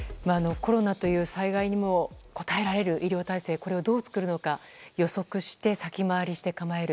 コロナという災害にも応えられる医療体制をどう作るのか予測して、先回りして構える。